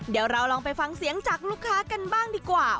เดี๋ยวเราลองไปฟังเสียงจากลูกค้ากันบ้างดีกว่า